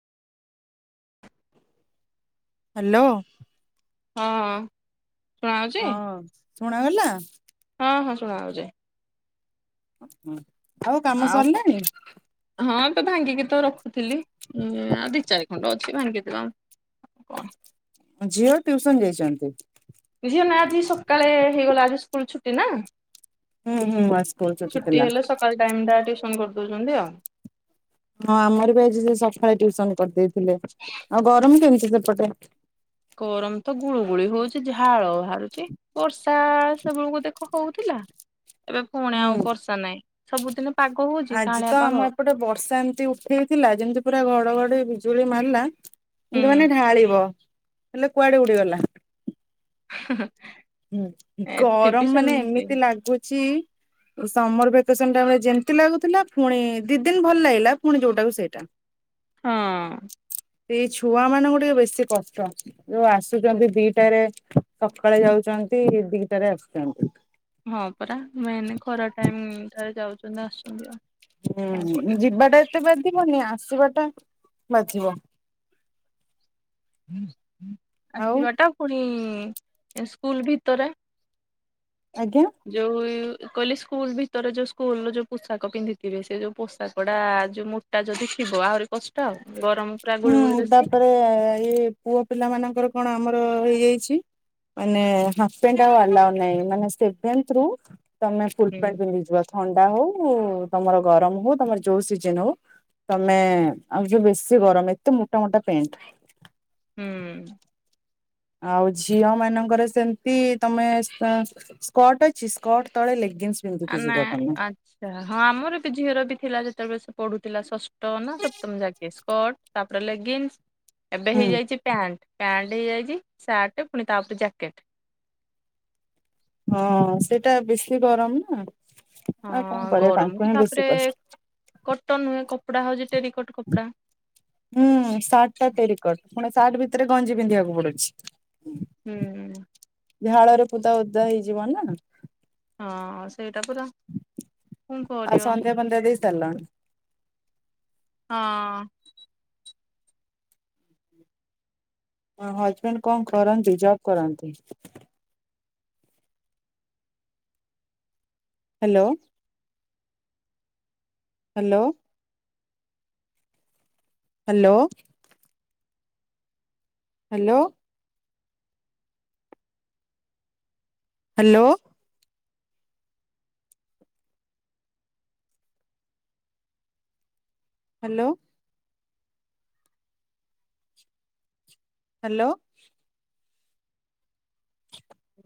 Hello. ହଁ ଶୁଣା ଯାଉଛି? ଶୁଣା ଗଲା? ହଁ ହଁ ଶୁଣା ଯାଉଛି। ହ ଆଉ କାମ ସରିଲାଣି? ହଁ ତ ଭାଙ୍ଗିକି ତୋର ଥିଲି ଆ ଦି ଚାରି ଖଣ୍ଡ ଅଛି ଭାଙ୍ଗିଦେବା କଣ ଝିଅ ଟ୍ୟୁସନ ଯାଇଛନ୍ତି। ଝିଅ ନା ଆଜି ସକାଳେ ହେଇଗଲା ଆଜି ସ୍କୁଲ ଛୁଟି ନା ହୁଁ ହୁଁ ସ୍କୁଲ ଛୁଟି ଥିଲା। ହେଲେ ସକାଳ ଟାଇ ଟା ଟିଉସନ କରିଦଉଛନ୍ତି ଆଉ। ହଁ ଆମର ବି ଆ ସେ ସକାଳେ ଟ୍ୟଉସନ କରିଦେଇଥିଲେ ଆଉ ଗରମ କେମିତି ସେପଟେ। ଗରମ ତ ଗୁଳୁ ଗୁଳି ହଉଛିି ଝାଳ ବାହାରୁଛିି ବର୍ଷା ସେବେଳକୁ ଦେଖା ହଉଥିଲା ଏବେ ପୁଣି ହୁଁ। ଆଉ ବର୍ଷା ନାହିଁ ସବୁଦିନ ପାଗ ହଉଛି ଆଜି କାଁଳିଆ ତ ପାଗ ଆମ ହୁଁ ଏପଟେ ବର୍ଷା ଏମତି ଉଠେଇଥିଲା ଯେମିତି ପୁରା ଘଡଘଡି, ବିଜୁଳି ମାରିଲା। ହେଁ ଏମାନେ ଢାଳିବ ହେଲେ କୁଆଡେ ଉଡିଗଲା। ହୁଁ ହୁଁ ଗରମ ମାନେ ସେମିତି ଏମିତି ଲାଗୁଛି। ସମର ଭେକେସନ ଟା ଯେମତି ଲାଗୁଥିଲା ପୁଣି ଦି ଦିନ ଭଲ ଲାଗିଲା ପୁଣି ଯୋଉଟାକୁ ସେଇଟା। ହଁ। ସେଇ ଛୁଆ ମାନଙ୍କୁ ଟିକେ ବେଶୀ କଷ୍ଟ ଯୋଉ ଆସୁଛନ୍ତି ଦିଟାରେ ସକାଳେ ଯାଉ ଆସନ୍ତି ଦିଟାରେ ଆସିଛନ୍ତି। ହଁ ପରା ମେନ ଖରା ଟାଇମ ରେ ଯାଉଛନ୍ତି ଆସୁଛନ୍ତି ଆଉ। କଣ ହୁଁ କରିବା ଯିବାଟା ଏତେ ବାଧିବନି ଆସିବାଟା ବାଧିବ। ଆଉ ଆସିବା ଟା ପୁଣି ସ୍କୁଲ ଭିତରେ, ଆଜ୍ଞା ଯଉ କହିଲି ସ୍କୁଲ ଭିତରେ ଯୋଉ ସ୍କୁଲ ର ଯୋଉ ପୋଷାକ ପିନ୍ଧିଥିବେ ସେ ଯୋଉ ପୋଷାକ ଟା ଯୋଉ ମୁଟା ଯଦି ଥିବ ଆହୁରି କଷ୍ଟ ଆଉ। ଗରମ ପୁରା ଗୁଳୁଗୁଳି ହୁଁ ବେଶୀ ତାପରେ ଇ ପୁଅ ପିଲା ମାନଙ୍କର କଣ ଆମର ହେଇଯାଇଛି। ମାନେ ହାଫ୍ ପ୍ୟାଣ୍ଟ ଆଉ ନାଇଁ ମାନେ ସେଭେଥ ତମେ ଫୁଲ ପ୍ୟାଣ୍ଟ ହୁଁ ପିନ୍ଧିକି ଯିବ ଥଣ୍ଡା ହଉ ତମର ଗରମ ହଉ ତମର ଯୋଉ ସିଜନ ହଉ ତମେ ଆଉ ଯ ବେଶୀ ଗରମ ଏତେ ମୋଟା ମୋଟା ପ୍ୟାଣ୍ଟ। ହୁଁ। ଆଉ ଝିଅ ମାନଙ୍କର ସେମିତି ତମେ ସ୍କଟ ଅଛି ସ୍କଟ ତଳେ ଲେଖ ନା ଆଚ୍ଛା ହଁ ଆମର ଏ ବି ଝିଅର ବି ଥିଲା ଯେତେବେଳେ ସେ ପଢୁଥିଲା ଷଷ୍ଠ ନା ସପ୍ତମ ଯାକ ସ୍କର୍ଟ ତାପରେ ଲେଗିନ୍ସ ଏବେ ହୁଁ ହେଇଯାଇଛି ପ୍ୟାଣ୍ଟ ପଣ୍ଟ ହେଇଯାଇଛି ସାର୍ଟ ପୁଣି ତାପରେ ଜ୍ୟାକେଟ। ହଁ ସେଇଟା ବେଶୀ ଗରମ ନା। ଆଉ କଣ ହଁ କରିବା ତାଙ୍କୁ ଗରମ ହିଁ ବେଶୀ ତାପରେ କଷ୍ଟ କଟନ ହୁ କପଡା ହଉଛି ଟେରିକଟ କପଡା ହୁଁ ସାର୍ଟ ଟା ତିଆରି କ ସାର୍ଟ ଭିତରେ ଗଞ୍ଜି ପିନ୍ଧିବାକୁ ପଡୁଛି। ହୁଁ। ଝାଳରେ ପୁରା ଉଦା ହେଇଯିବ ନା। ହଁ ସେଇଟା ପୁରା କଣ ଆଉ କରିବ। ସନ୍ଧ୍ୟା ଫନ୍ଧ୍ୟା ଦେଇ ସାରିଲଣି ହଁ। ହଜବେଣ୍ଡ କଣ କରନ୍ତି ଜବ୍ କରନ୍ତି? Hello. Hello. Hello. Hello hello. Hello. Hello.